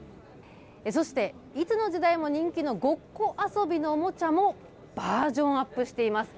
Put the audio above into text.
そして、いつの時代も人気のごっこ遊びのおもちゃもバージョンアップしています。